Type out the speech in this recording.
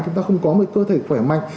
chúng ta không có một cơ thể khỏe mạnh